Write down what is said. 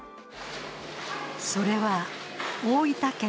それは大分県